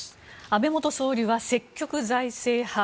安倍元総理は積極財政派。